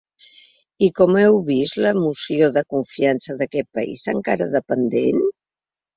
I com heu vist la moció de confiança d’aquest país encara dependent?